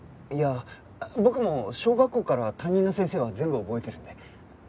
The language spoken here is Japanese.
いや僕も小学校から担任の先生は全部覚えてるんで。